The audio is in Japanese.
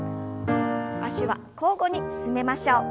脚は交互に進めましょう。